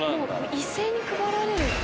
一斉に配られる？